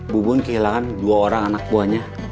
bubun kehilangan dua orang anak buahnya